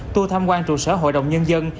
tu tham quan trụ sở hội đồng nhân dân